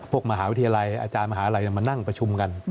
มหาวิทยาลัยอาจารย์มหาลัยมานั่งประชุมกัน